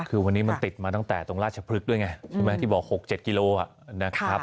คือวันนี้มันติดมาตั้งแต่ตรงราชพฤกษ์ด้วยไงใช่ไหมที่บอก๖๗กิโลนะครับ